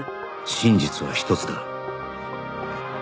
真実は一つだ